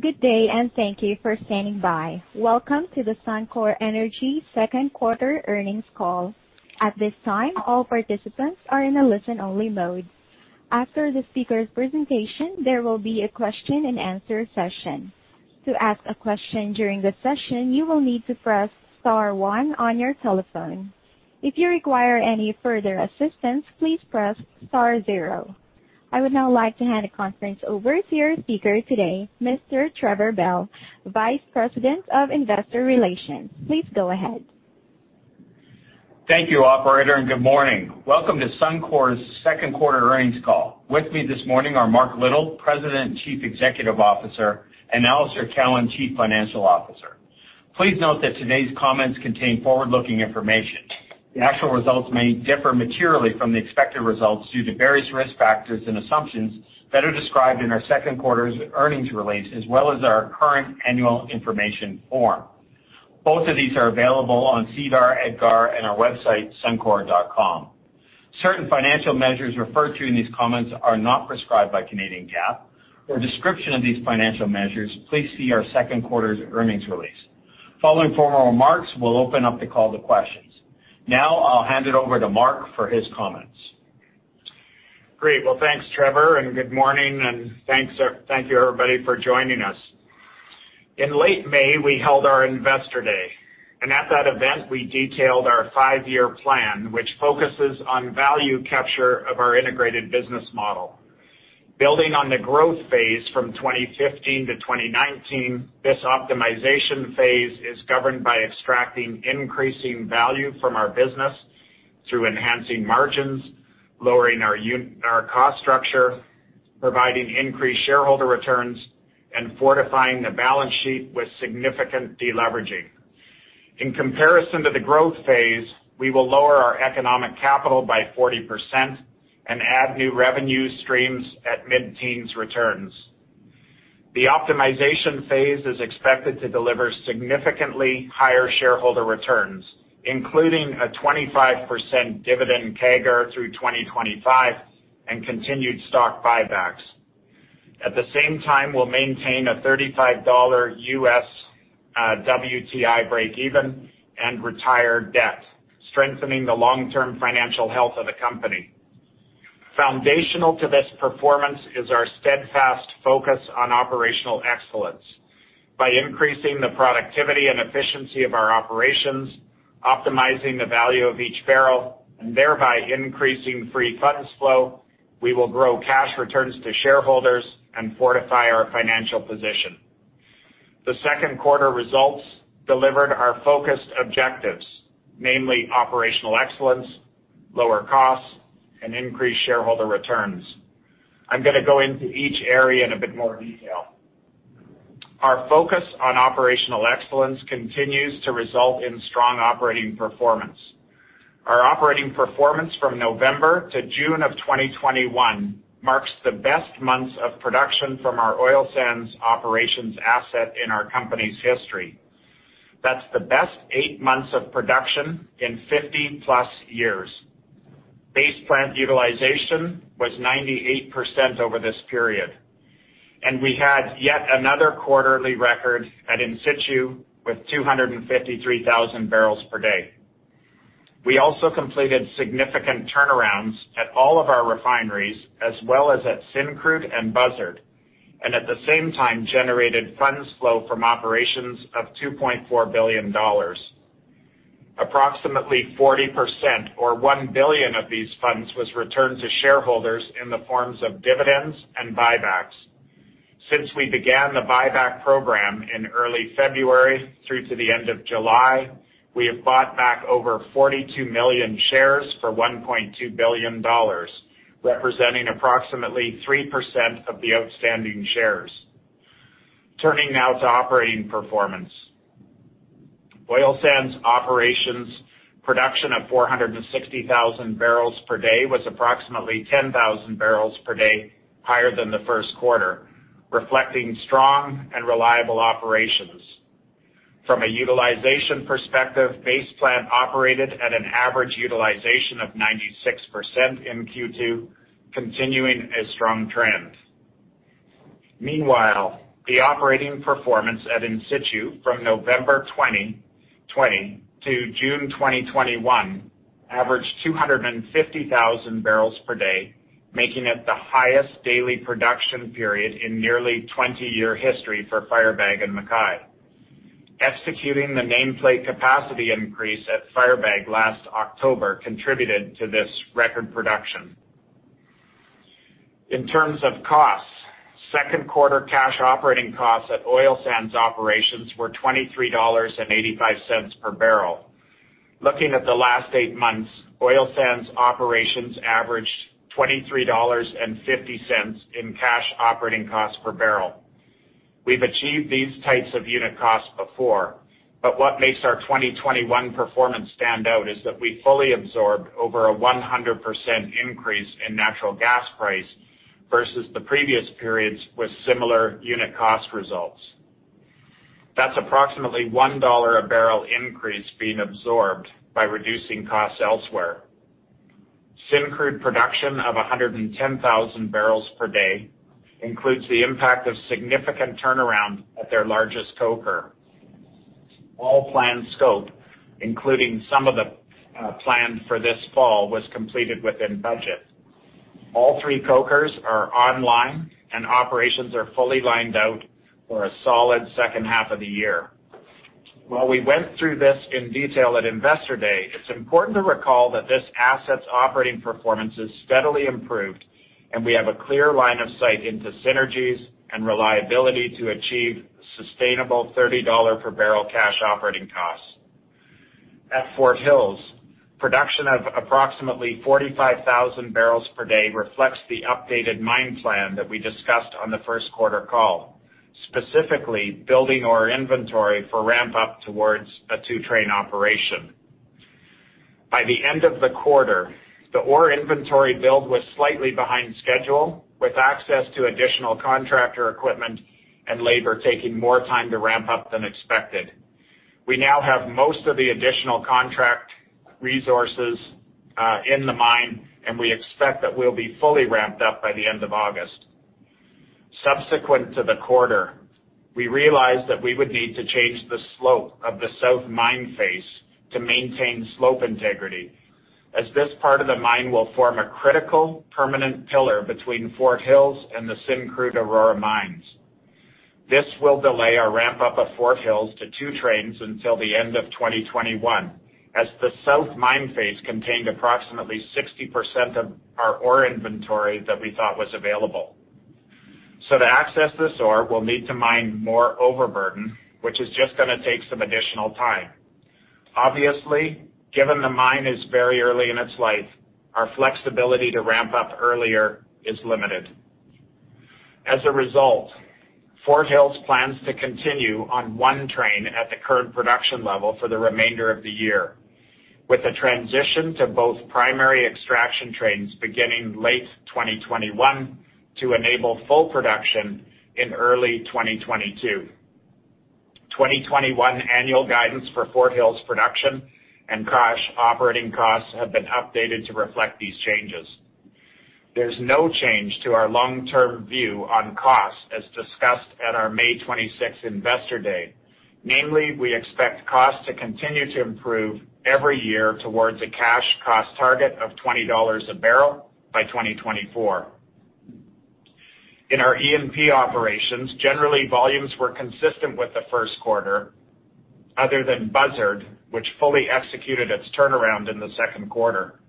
Good day, and thank you for standing by. Welcome to the Suncor Energy second quarter earnings call. At this time all participants are on a listen only mode after the speaker presentation there will be a question and answer session. To ask a question during the session you will need to press star one on your telephone. If you inquire any further assistance please press star zero. I would now like to hand the conference over to your speaker today, Mr. Trevor Bell, Vice President of Investor Relations. Please go ahead. Thank you, operator. Good morning. Welcome to Suncor's second quarter earnings call. With me this morning are Mark Little, President and Chief Executive Officer, and Alister Cowan, Chief Financial Officer. Please note that today's comments contain forward-looking information. The actual results may differ materially from the expected results due to various risk factors and assumptions better described in our second quarter's earnings release, as well as our current annual information form. Both of these are available on SEDAR, EDGAR, and our website, suncor.com. Certain financial measures referred to in these comments are not prescribed by Canadian GAAP. For a description of these financial measures, please see our second quarter's earnings release. Following formal remarks, we'll open up the call to questions. I'll hand it over to Mark for his comments. Great. Well, thanks, Trevor, and good morning, and thank you, everybody, for joining us. In late May, we held our investor day, and at that event, we detailed our 5-year plan, which focuses on value capture of our integrated business model. Building on the growth phase from 2015 to 2019, this optimization phase is governed by extracting increasing value from our business through enhancing margins, lowering our cost structure, providing increased shareholder returns, and fortifying the balance sheet with significant de-leveraging. In comparison to the growth phase, we will lower our economic capital by 40% and add new revenue streams at mid-teens returns. The optimization phase is expected to deliver significantly higher shareholder returns, including a 25% dividend CAGR through 2025 and continued stock buybacks. At the same time, we'll maintain a $35 U.S. WTI breakeven and retire debt, strengthening the long-term financial health of the company. Foundational to this performance is our steadfast focus on operational excellence. By increasing the productivity and efficiency of our operations, optimizing the value of each barrel, and thereby increasing free funds flow, we will grow cash returns to shareholders and fortify our financial position. The second quarter results delivered our focused objectives, namely operational excellence, lower costs, and increased shareholder returns. I'm going to go into each area in a bit more detail. Our focus on operational excellence continues to result in strong operating performance. Our operating performance from November to June of 2021 marks the best months of production from our oil sands operations asset in our company's history. That's the best eight months of production in 50-plus years. Base plant utilization was 98% over this period. We had yet another quarterly record at in-situ with 253,000 barrels per day. We also completed significant turnarounds at all of our refineries, as well as at Syncrude and Buzzard, and at the same time, generated funds flow from operations of 2.4 billion dollars. Approximately 40%, or 1 billion of these funds, was returned to shareholders in the forms of dividends and buybacks. Since we began the buyback program in early February through to the end of July, we have bought back over 42 million shares for 1.2 billion dollars, representing approximately 3% of the outstanding shares. Turning now to operating performance. Oil sands operations production of 460,000 barrels per day was approximately 10,000 barrels per day higher than the first quarter, reflecting strong and reliable operations. From a utilization perspective, base plant operated at an average utilization of 96% in Q2, continuing a strong trend. Meanwhile, the operating performance at in-situ from November 2020 to June 2021 averaged 250,000 barrels per day, making it the highest daily production period in nearly 20-year history for Firebag and MacKay. Executing the nameplate capacity increase at Firebag last October contributed to this record production. In terms of costs, second quarter cash operating costs at oil sands operations were 23.85 dollars per barrel. Looking at the last eight months, oil sands operations averaged 23.50 dollars in cash operating costs per barrel. We've achieved these types of unit costs before, what makes our 2021 performance stand out is that we fully absorbed over a 100% increase in natural gas price versus the previous periods with similar unit cost results. That's approximately 1 dollar a barrel increase being absorbed by reducing costs elsewhere. Syncrude production of 110,000 barrels per day includes the impact of significant turnaround at their largest coker. All planned scope, including some of the plan for this fall, was completed within budget. All 3 cokers are online, and operations are fully lined out for a solid second half of the year. While we went through this in detail at Investor Day, it's important to recall that this asset's operating performance has steadily improved, and we have a clear line of sight into synergies and reliability to achieve sustainable 30 dollar per barrel cash operating costs. At Fort Hills, production of approximately 45,000 barrels per day reflects the updated mine plan that we discussed on the 1st quarter call, specifically building our inventory for ramp-up towards a 2-train operation. By the end of the quarter, the ore inventory build was slightly behind schedule, with access to additional contractor equipment and labor taking more time to ramp up than expected. We now have most of the additional contract resources in the mine, and we expect that we will be fully ramped up by the end of August. Subsequent to the quarter, we realized that we would need to change the slope of the south mine face to maintain slope integrity, as this part of the mine will form a critical permanent pillar between Fort Hills and the Syncrude Aurora mines. This will delay our ramp-up of Fort Hills to 2 trains until the end of 2021, as the south mine face contained approximately 60% of our ore inventory that we thought was available. To access this ore, we will need to mine more overburden, which is just going to take some additional time. Obviously, given the mine is very early in its life, our flexibility to ramp up earlier is limited. As a result, Fort Hills plans to continue on one train at the current production level for the remainder of the year, with a transition to both primary extraction trains beginning late 2021 to enable full production in early 2022. 2021 annual guidance for Fort Hills production and cash operating costs have been updated to reflect these changes. There's no change to our long-term view on costs as discussed at our May 26th Investor Day. Namely, we expect costs to continue to improve every year towards a cash cost target of 20 dollars a barrel by 2024. In our E&P operations, generally, volumes were consistent with the first quarter, other than Buzzard, which fully executed its turnaround in the second quarter.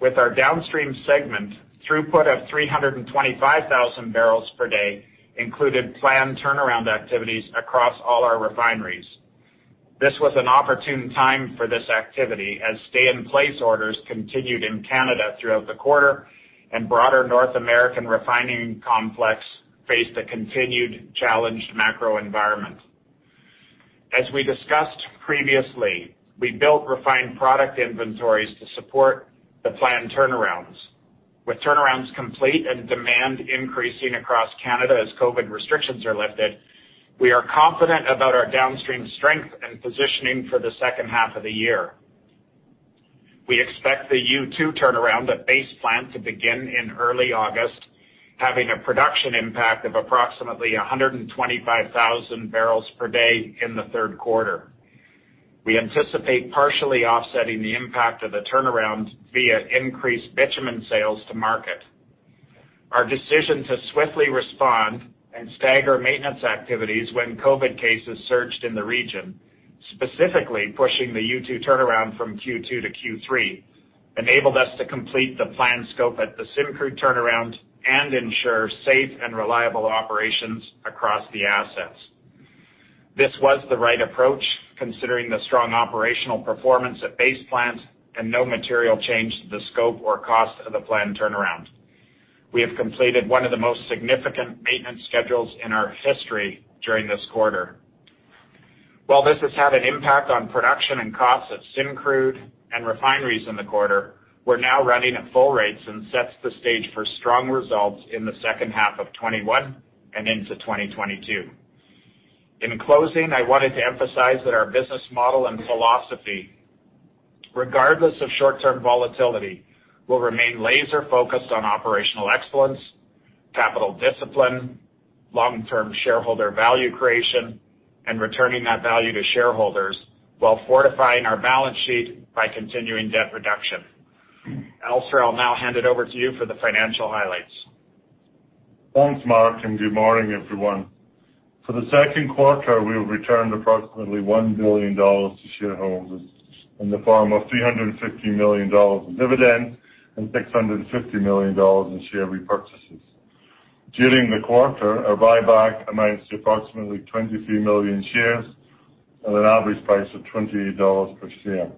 With our downstream segment, throughput of 325,000 barrels per day included planned turnaround activities across all our refineries. This was an opportune time for this activity, as stay-in-place orders continued in Canada throughout the quarter and broader North American refining complex faced a continued challenged macro environment. As we discussed previously, we built refined product inventories to support the planned turnarounds. With turnarounds complete and demand increasing across Canada as COVID restrictions are lifted, we are confident about our downstream strength and positioning for the second half of the year. We expect the U2 turnaround at base plant to begin in early August, having a production impact of approximately 125,000 barrels per day in the third quarter. We anticipate partially offsetting the impact of the turnaround via increased bitumen sales to market. Our decision to swiftly respond and stagger maintenance activities when COVID cases surged in the region, specifically pushing the U2 turnaround from Q2 to Q3, enabled us to complete the planned scope at the Syncrude turnaround and ensure safe and reliable operations across the assets. This was the right approach, considering the strong operational performance at base plant and no material change to the scope or cost of the planned turnaround. We have completed one of the most significant maintenance schedules in our history during this quarter. While this has had an impact on production and costs at Syncrude and refineries in the quarter, we're now running at full rates and sets the stage for strong results in the second half of 2021 and into 2022. In closing, I wanted to emphasize that our business model and philosophy, regardless of short-term volatility, will remain laser-focused on operational excellence, capital discipline, long-term shareholder value creation, and returning that value to shareholders while fortifying our balance sheet by continuing debt reduction. Al Cowan, I'll now hand it over to you for the financial highlights. Thanks, Mark. Good morning, everyone. For the second quarter, we have returned approximately 1 billion dollars to shareholders in the form of 350 million dollars in dividends and 650 million dollars in share repurchases. During the quarter, our buyback amounts to approximately 23 million shares at an average price of 28 dollars per share.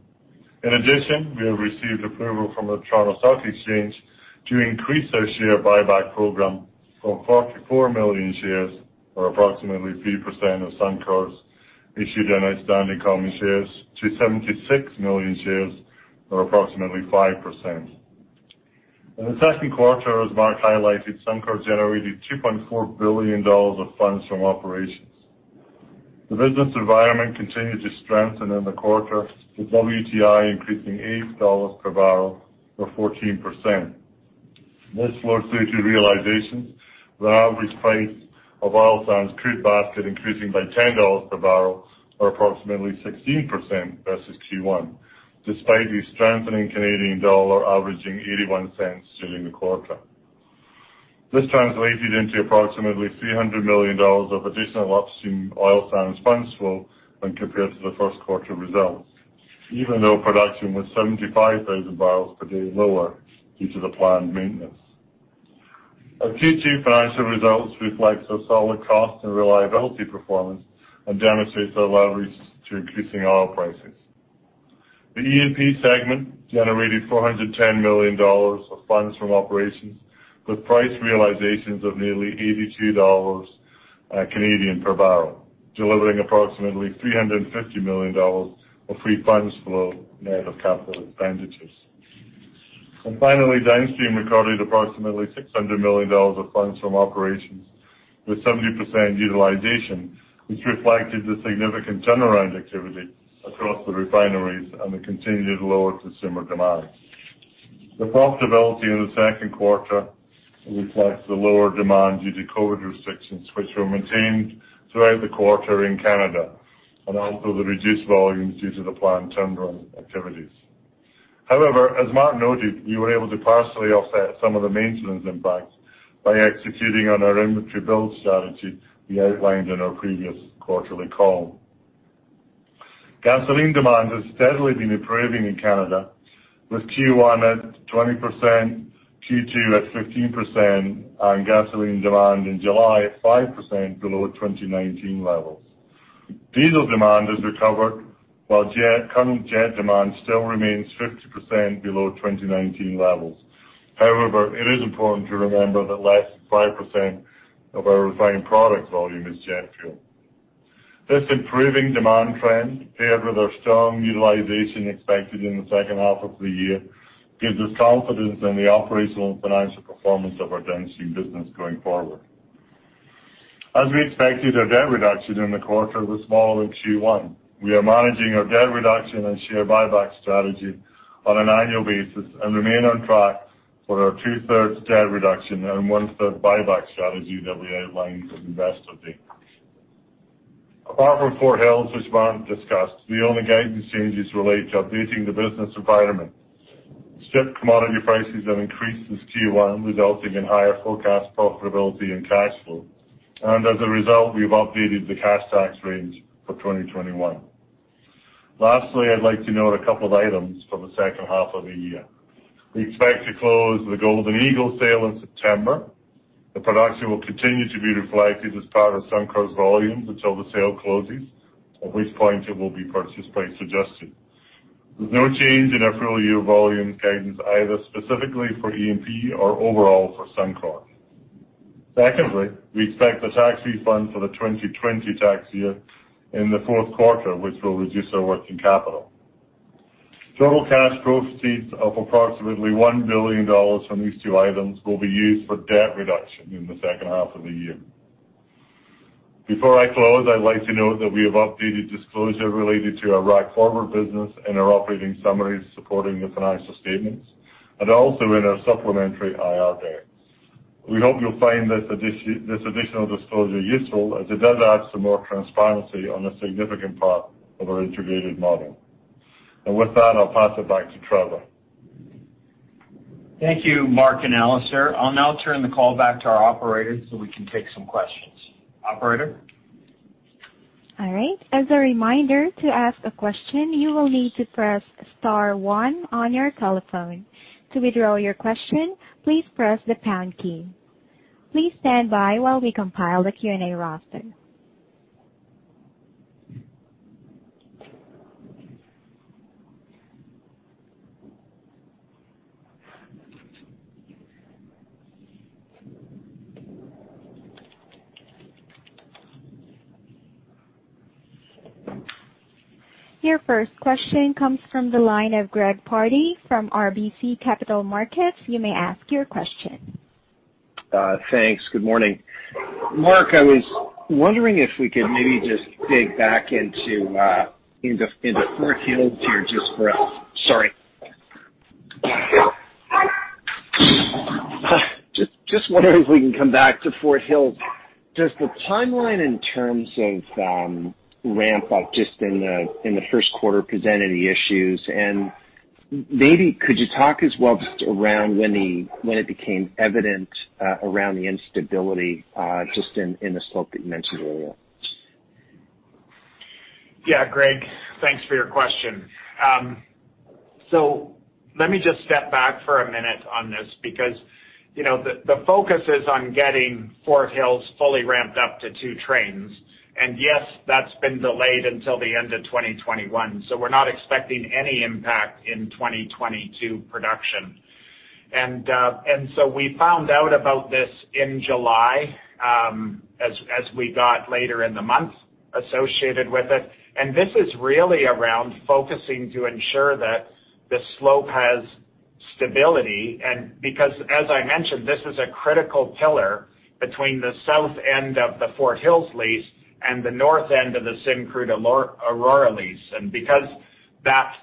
In addition, we have received approval from the Toronto Stock Exchange to increase our share buyback program from 44 million shares, or approximately 3% of Suncor's issued and outstanding common shares, to 76 million shares, or approximately 5%. In the second quarter, as Mark highlighted, Suncor generated 2.4 billion dollars of funds from operations. The business environment continued to strengthen in the quarter, with WTI increasing 8 dollars per barrel or 14%. This led to realizations with the average price of oil sands crude basket increasing by 10 dollars per barrel, or approximately 16% versus Q1, despite the strengthening Canadian dollar averaging 0.81 during the quarter. This translated into approximately 300 million dollars of additional upstream oil sands funds flow when compared to the first quarter results, even though production was 75,000 barrels per day lower due to the planned maintenance. Our Q2 financial results reflects a solid cost and reliability performance and demonstrates our leverage to increasing oil prices. The E&P segment generated 410 million dollars of funds from operations, with price realizations of nearly 82 Canadian dollars per barrel, delivering approximately 350 million dollars of free funds flow net of capital expenditures. Finally, downstream recorded approximately 600 million dollars of funds from operations with 70% utilization, which reflected the significant turnaround activity across the refineries and the continued lower consumer demand. The profitability in the second quarter reflects the lower demand due to COVID restrictions, which were maintained throughout the quarter in Canada, and also the reduced volumes due to the planned turnaround activities. However, as Mark noted, we were able to partially offset some of the maintenance impact by executing on our inventory build strategy we outlined in our previous quarterly call. Gasoline demand has steadily been improving in Canada, with Q1 at 20%, Q2 at 15%, and gasoline demand in July at 5% below 2019 levels. Diesel demand has recovered, while current jet demand still remains 50% below 2019 levels. However, it is important to remember that less than 5% of our refined product volume is jet fuel. This improving demand trend, paired with our strong utilization expected in the second half of the year, gives us confidence in the operational and financial performance of our downstream business going forward. As we expected, our debt reduction in the quarter was smaller than Q1. We are managing our debt reduction and share buyback strategy on an annual basis and remain on track for our two-thirds debt reduction and one-third buyback strategy that we outlined at investor day. Apart from Fort Hills, which Mark discussed, the only guidance changes relate to updating the business environment. Sharp commodity prices have increased since Q1, resulting in higher forecast profitability and cash flow. As a result, we've updated the cash tax range for 2021. Lastly, I'd like to note a couple of items for the second half of the year. We expect to close the Golden Eagle sale in September. The production will continue to be reflected as part of Suncor's volumes until the sale closes, at which point it will be purchase price adjusted. There's no change in our full-year volume guidance, either specifically for E&P or overall for Suncor. Secondly, we expect the tax refund for the 2020 tax year in the fourth quarter, which will reduce our working capital. Total cash proceeds of approximately 1 billion dollars from these two items will be used for debt reduction in the second half of the year. Before I close, I'd like to note that we have updated disclosure related to our rack forward business and our operating summaries supporting the financial statements, and also in our supplementary IR deck. We hope you'll find this additional disclosure useful as it does add some more transparency on a significant part of our integrated model. With that, I'll pass it back to Trevor. Thank you, Mark and Alister. I'll now turn the call back to our operator so we can take some questions. Operator? All right. As a reminder, to ask a question, you will need to press star 1 on your telephone. To withdraw your question, please press the pound key. Please stand by while we compile the Q&A roster. Your first question comes from the line of Greg Pardy from RBC Capital Markets. You may ask your question. Thanks. Good morning. Mark, I was wondering if we could maybe just dig back into Fort Hills here. Sorry. Just wondering if we can come back to Fort Hills. Does the timeline in terms of ramp up just in the 1st quarter present any issues? Maybe could you talk as well, just around when it became evident around the instability just in the slope that you mentioned earlier? Yeah, Greg, thanks for your question. Let me just step back for a minute on this because the focus is on getting Fort Hills fully ramped up to two trains. Yes, that's been delayed until the end of 2021. We're not expecting any impact in 2022 production. We found out about this in July, as we got later in the month associated with it. This is really around focusing to ensure that the slope has stability, and because as I mentioned, this is a critical pillar between the south end of the Fort Hills lease and the north end of the Syncrude Aurora lease. Because that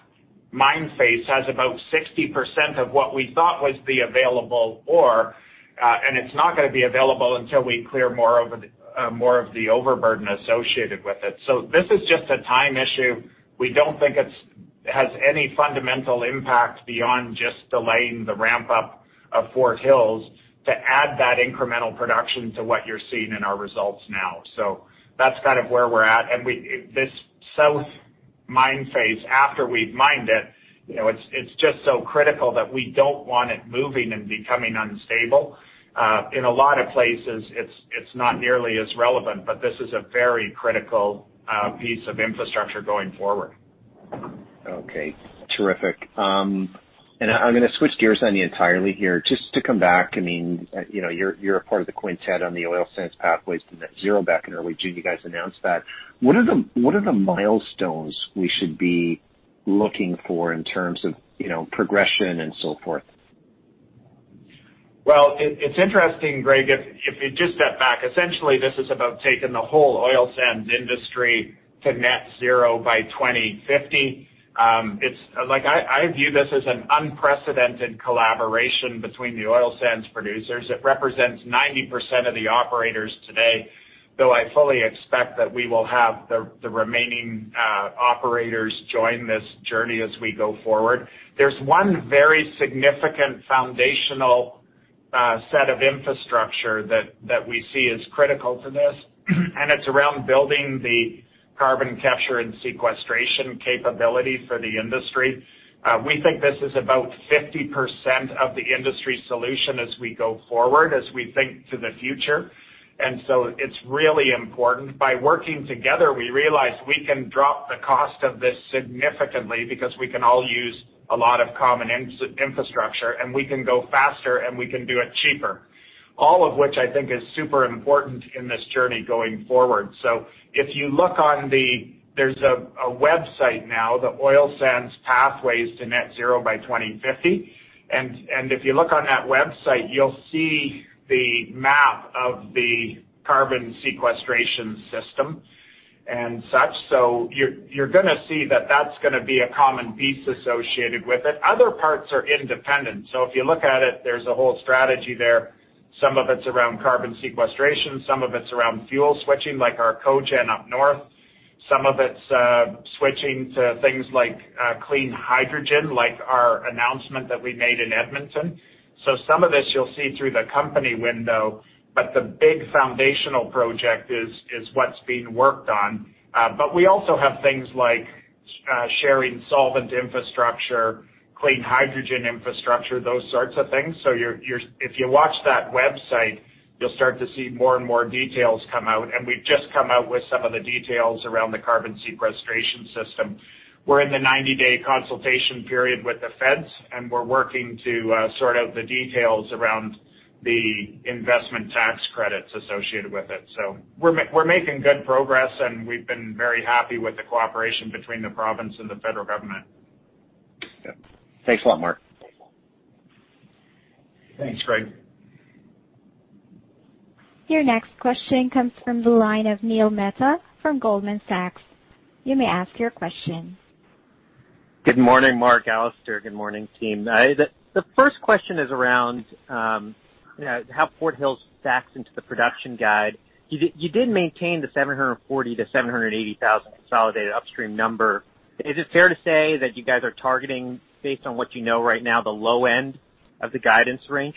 mine phase has about 60% of what we thought was the available ore, and it's not going to be available until we clear more of the overburden associated with it. This is just a time issue. We don't think it has any fundamental impact beyond just delaying the ramp-up of Fort Hills to add that incremental production to what you're seeing in our results now. That's kind of where we're at. This south mine phase, after we've mined it's just so critical that we don't want it moving and becoming unstable. In a lot of places, it's not nearly as relevant, but this is a very critical piece of infrastructure going forward. Okay, terrific. I'm going to switch gears on you entirely here just to come back. You're a part of the quintet on the Oil Sands Pathways to Net Zero back in early June, you guys announced that. What are the milestones we should be looking for in terms of progression and so forth? It's interesting, Greg, if you just step back, essentially, this is about taking the whole oil sands industry to net zero by 2050. I view this as an unprecedented collaboration between the oil sands producers. It represents 90% of the operators today, though I fully expect that we will have the remaining operators join this journey as we go forward. There's 1 very significant foundational set of infrastructure that we see as critical to this, and it's around building the carbon capture and sequestration capability for the industry. We think this is about 50% of the industry solution as we go forward, as we think to the future. It's really important. By working together, we realized we can drop the cost of this significantly because we can all use a lot of common infrastructure, and we can go faster, and we can do it cheaper. All of which I think is super important in this journey going forward. If you look on there's a website now, the Oil Sands Pathways to Net Zero by 2050. If you look on that website, you'll see the map of the carbon sequestration system and such. You're gonna see that that's gonna be a common piece associated with it. Other parts are independent. If you look at it, there's a whole strategy there. Some of it's around carbon sequestration, some of it's around fuel switching, like our cogen up north. Some of it's switching to things like clean hydrogen, like our announcement that we made in Edmonton. Some of this you'll see through the company window, but the big foundational project is what's being worked on. We also have things like sharing solvent infrastructure, clean hydrogen infrastructure, those sorts of things. If you watch that website, you'll start to see more and more details come out. We've just come out with some of the details around the carbon sequestration system. We're in the 90-day consultation period with the feds, and we're working to sort out the details around the investment tax credits associated with it. We're making good progress, and we've been very happy with the cooperation between the province and the federal government. Yeah. Thanks a lot, Mark. Thanks, Greg. Your next question comes from the line of Neil Mehta from Goldman Sachs. You may ask your question. Good morning, Mark, Alister. Good morning, team. The first question is around how Fort Hills stacks into the production guide. You did maintain the 740,000-780,000 consolidated upstream number. Is it fair to say that you guys are targeting based on what you know right now, the low end of the guidance range?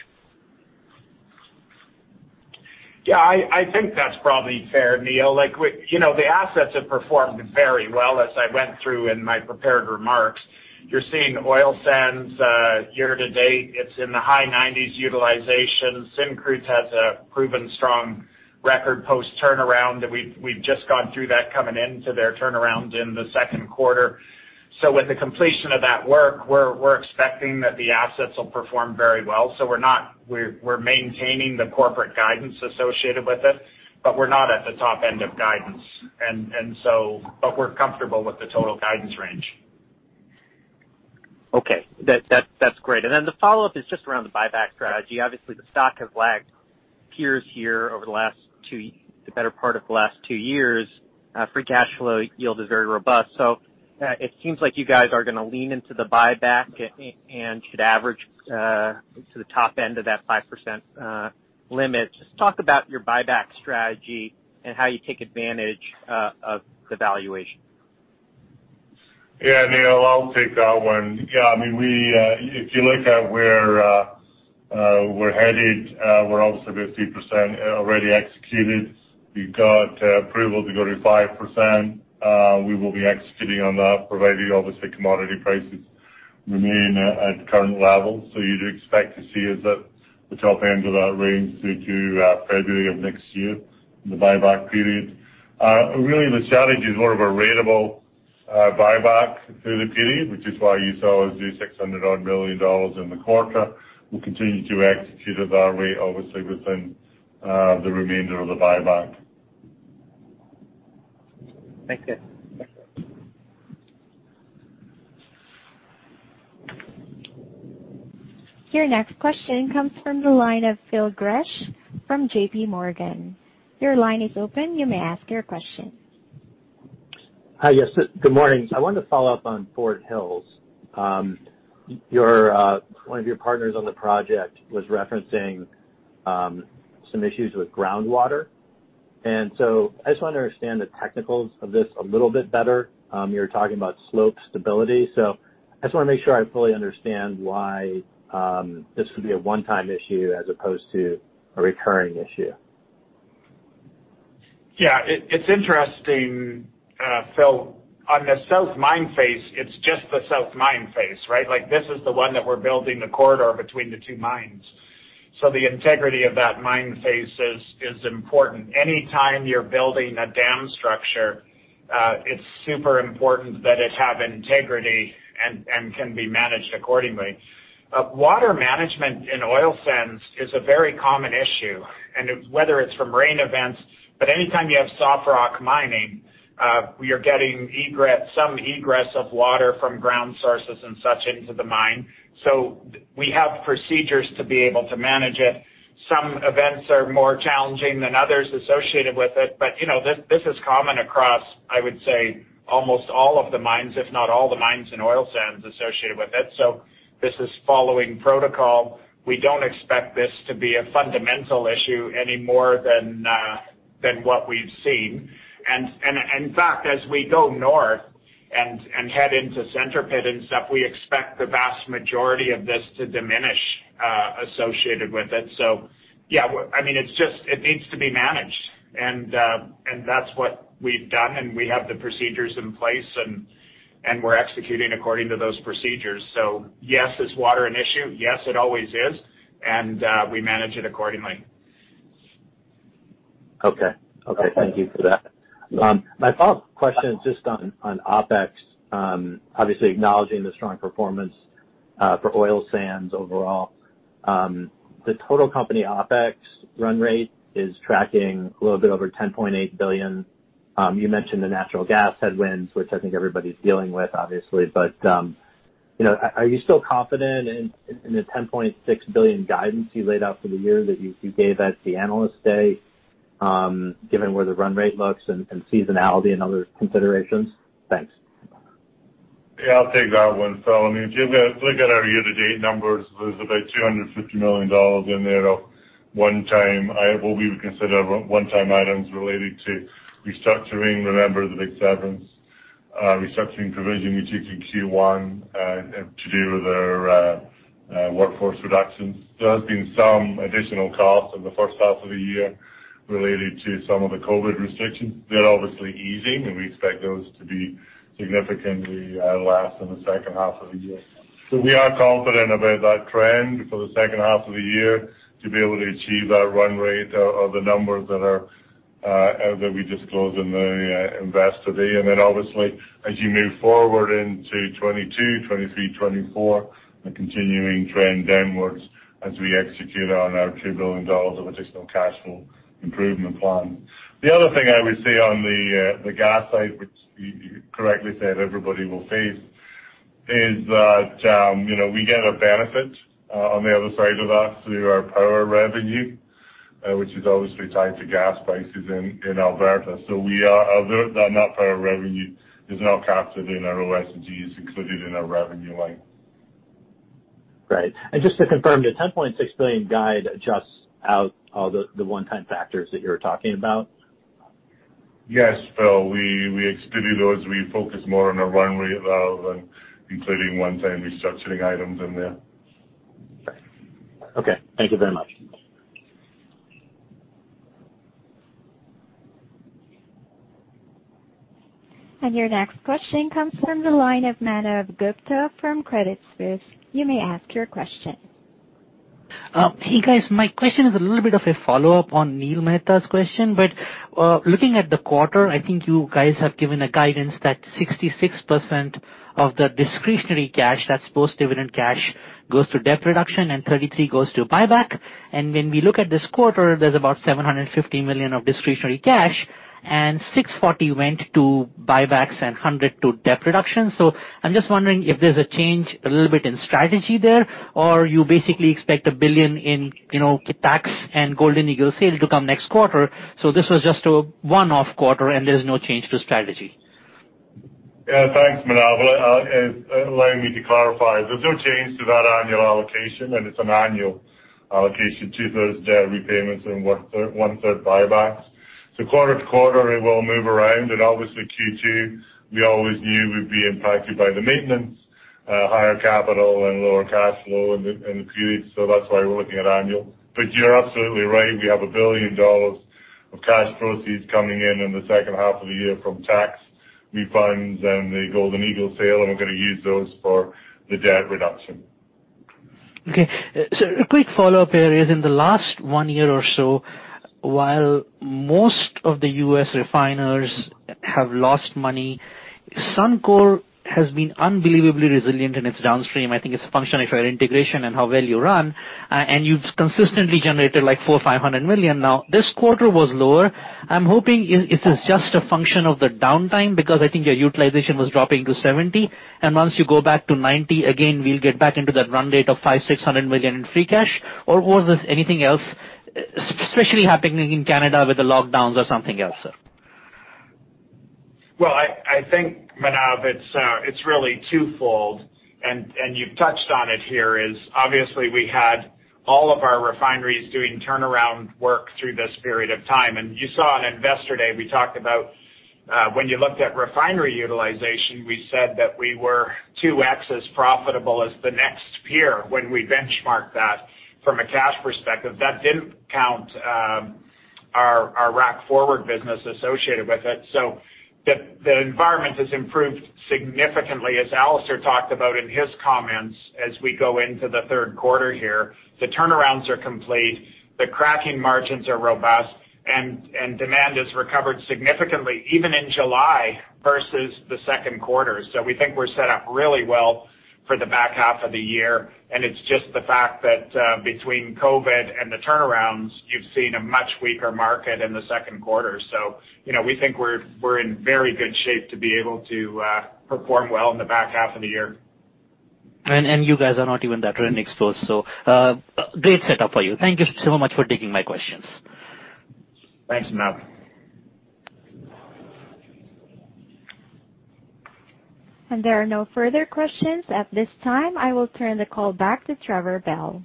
Yeah, I think that's probably fair, Neil. The assets have performed very well as I went through in my prepared remarks. You're seeing Oil Sands year to date, it's in the high 90s utilization. Syncrude has a proven strong record post-turnaround. We've just gone through that coming into their turnaround in the second quarter. With the completion of that work, we're expecting that the assets will perform very well. We're maintaining the corporate guidance associated with it. We're not at the top end of guidance. We're comfortable with the total guidance range. Okay. That's great. The follow-up is just around the buyback strategy. Obviously, the stock has lagged peers here over the better part of the last two years. Free cash flow yield is very robust. It seems like you guys are going to lean into the buyback and should average to the top end of that 5% limit. Just talk about your buyback strategy and how you take advantage of the valuation. Neil, I'll take that one. If you look at where we're headed, we're obviously 50% already executed. We got approval to go to 5%. We will be executing on that, provided obviously commodity prices remain at current levels. You'd expect to see us at the top end of that range through to February of next year in the buyback period. Really, the strategy is more of a ratable buyback through the period, which is why you saw us do 600 odd million in the quarter. We'll continue to execute at that rate, obviously within the remainder of the buyback. Thank you. Your next question comes from the line of Phil Gresh from JPMorgan. Your line is open. You may ask your question. Hi. Yes, good morning. I wanted to follow up on Fort Hills. One of your partners on the project was referencing some issues with groundwater. I just want to understand the technicals of this a little bit better. You were talking about slope stability. I just want to make sure I fully understand why this could be a one-time issue as opposed to a recurring issue. Yeah. It's interesting, Phil, on the south mine face, it's just the south mine face, right? This is the one that we're building the corridor between the two mines. The integrity of that mine face is important. Anytime you're building a dam structure, it's super important that it have integrity and can be managed accordingly. Water management in oil sands is a very common issue, and whether it's from rain events, but anytime you have soft rock mining, we are getting some egress of water from ground sources and such into the mine. We have procedures to be able to manage it. Some events are more challenging than others associated with it, but this is common across, I would say, almost all of the mines, if not all the mines in oil sands associated with it. This is following protocol. We don't expect this to be a fundamental issue any more than what we've seen. In fact, as we go north and head into Center Pit and stuff, we expect the vast majority of this to diminish associated with it. Yeah, it needs to be managed. That's what we've done, and we have the procedures in place, and we're executing according to those procedures. Yes, is water an issue? Yes, it always is, and we manage it accordingly. Okay. Thank you for that. My follow-up question is just on OpEx, obviously acknowledging the strong performance for oil sands overall. The total company OpEx run rate is tracking a little bit over 10.8 billion. You mentioned the natural gas headwinds, which I think everybody's dealing with, obviously. Are you still confident in the 10.6 billion guidance you laid out for the year that you gave us at the Analyst Day given where the run rate looks and seasonality and other considerations? Thanks. Yeah, I'll take that one, Phil. If you look at our year-to-date numbers, there's about 250 million dollars in there of what we would consider one-time items related to restructuring. Remember the big severance restructuring provision we took in Q1 to do with our workforce reductions. There has been some additional costs in the first half of the year related to some of the COVID restrictions. They're obviously easing, and we expect those to be significantly less in the second half of the year. We are confident about that trend for the second half of the year to be able to achieve that run rate of the numbers that we disclosed in the Investor Day. Obviously, as you move forward into 2022, 2023, 2024, a continuing trend downwards as we execute on our 2 billion dollars of additional cash flow improvement plan. The other thing I would say on the gas side, which you correctly said everybody will face, is that we get a benefit on the other side of that through our power revenue, which is obviously tied to gas prices in Alberta. That power revenue is now captured in our OSG, it's included in our revenue line. Right. Just to confirm, the 10.6 billion guide adjusts out all the one-time factors that you're talking about? Yes, Phil. We exclude those. We focus more on a run rate rather than including one-time restructuring items in there. Okay. Thank you very much. Your next question comes from the line of Manav Gupta from Credit Suisse. You may ask your question. Hey, guys. My question is a little bit of a follow-up on Neil Mehta's question. Looking at the quarter, I think you guys have given a guidance that 66% of the discretionary cash, that's post-dividend cash, goes to debt reduction and 33% goes to buyback. When we look at this quarter, there's about 750 million of discretionary cash, and 640 went to buybacks and 100 to debt reduction. I'm just wondering if there's a change a little bit in strategy there, or you basically expect 1 billion in tax and Golden Eagle sale to come next quarter, so this was just a one-off quarter and there's no change to strategy? Thanks, Manav. Allow me to clarify. There's no change to that annual allocation, and it's an annual allocation, two-thirds debt repayments and one-third buybacks. Quarter to quarter, it will move around, and obviously Q2, we always knew we'd be impacted by the maintenance, higher capital, and lower cash flow in the period. That's why we're looking at annual. You're absolutely right. We have 1 billion dollars of cash proceeds coming in in the second half of the year from tax refunds and the Golden Eagle sale, and we're going to use those for the debt reduction. Okay. A quick follow-up here is in the last 1 year or so, while most of the U.S. refiners have lost money Suncor has been unbelievably resilient in its downstream. I think it's a function of your integration and how well you run, and you've consistently generated 400 million, 500 million. Now, this quarter was lower. I'm hoping it is just a function of the downtime because I think your utilization was dropping to 70%, and once you go back to 90% again, we'll get back into that run rate of 500 million, 600 million in free cash, or was there anything else especially happening in Canada with the lockdowns or something else? Well, I think, Manav, it's really twofold, and you've touched on it here is obviously we had all of our refineries doing turnaround work through this period of time. You saw on Investor Day, we talked about when you looked at refinery utilization, we said that we were 2X as profitable as the next peer when we benchmarked that from a cash perspective. That didn't count our rack forward business associated with it. The environment has improved significantly, as Alister Cowan talked about in his comments, as we go into the third quarter here. The turnarounds are complete, the cracking margins are robust, and demand has recovered significantly even in July versus the second quarter. We think we're set up really well for the back half of the year, and it's just the fact that between COVID and the turnarounds, you've seen a much weaker market in the second quarter. We think we're in very good shape to be able to perform well in the back half of the year. You guys are not even that rent exposed, so great setup for you. Thank you so much for taking my questions. Thanks, Manav. There are no further questions at this time. I will turn the call back to Trevor Bell.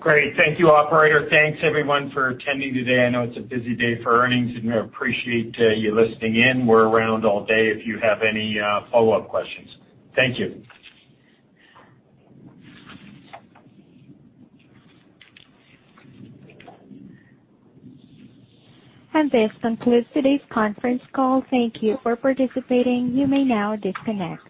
Great. Thank you, operator. Thanks, everyone, for attending today. I know it's a busy day for earnings, and we appreciate you listening in. We're around all day if you have any follow-up questions. Thank you. This concludes today's conference call. Thank you for participating. You may now disconnect.